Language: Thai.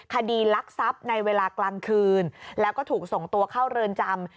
คดีลักทรัพย์ในเวลากลางคืนแล้วก็ถูกส่งตัวเข้าเรือนจำ